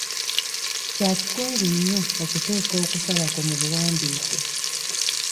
Kya kikungu nnyo okuteeka okusaba kwo mu buwandiike.